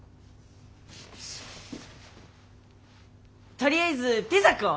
とりあえずピザ食お！